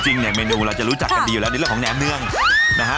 เนี่ยเมนูเราจะรู้จักกันดีอยู่แล้วในเรื่องของแหนมเนืองนะฮะ